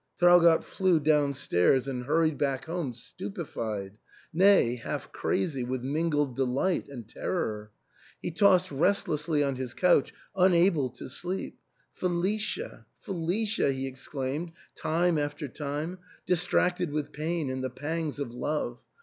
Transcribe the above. Traugott flew downstairs and hurried back home stupefied ; nay, half crazy with mingled delight and terror. He tossed restlessly on his couch, unable to sleep. "Felicia! Felicia !" he exclaimed time after time, dis tracted with pain and the pangs of love.